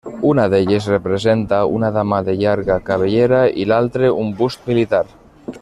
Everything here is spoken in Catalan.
Una d'elles representa una dama de llarga cabellera i l'altre un bust militar.